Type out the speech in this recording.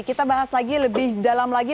kita bahas lagi lebih dalam lagi